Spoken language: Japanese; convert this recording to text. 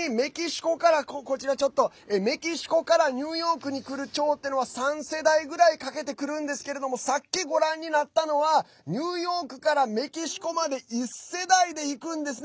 ちなみにメキシコからニューヨークに来るチョウっていうのは３世代ぐらいかけて来るんですけどさっきご覧になったのはニューヨークからメキシコまで１世代で行くんですね。